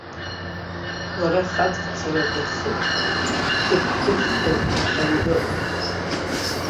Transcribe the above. Лара хаҵацара дахыԥан, дыԥҳәызбатәахьан дыҟан.